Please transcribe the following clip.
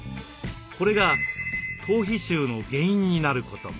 これが頭皮臭の原因になることも。